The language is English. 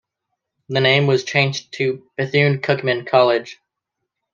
The name was changed to Bethune-Cookman College.